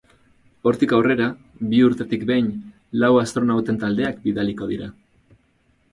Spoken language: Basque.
Hortik aurrera, bi urtetik behin lau astronauten taldeak bidaliko dira.